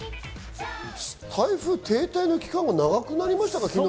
台風停滞の期間が長くなりましたか？